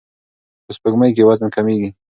په سپوږمۍ کې وزن کمیږي.